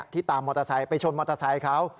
ตามมอเตอร์ไซค์ไปชนมอเตอร์ไซค์เขา